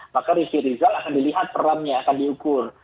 maka rizky rizal akan dilihat perannya akan diukur